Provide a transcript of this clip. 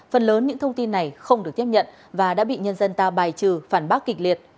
phần lớn những thông tin này không được tiếp nhận và đã bị nhân dân ta bài trừ phản bác kịch liệt